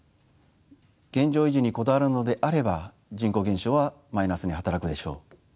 現状維持にこだわるのであれば人口減少はマイナスに働くでしょう。